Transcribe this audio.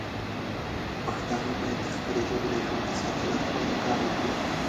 پښتانه باید د خپلې ژبې د ژوندی ساتلو لپاره کار وکړي.